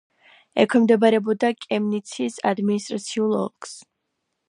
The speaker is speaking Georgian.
ექვემდებარებოდა კემნიცის ადმინისტრაციულ ოლქს.